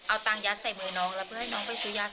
เอาตังค์ยัดใส่มือน้องแล้วเพื่อให้น้องไปซื้อยา